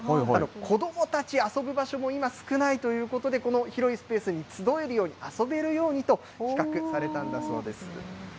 子どもたち、遊ぶ場所も今、少ないということで、この広いスペースに集えるように、遊べるようにおしゃれですね。